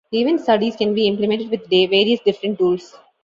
Event studies can be implemented with various different tools.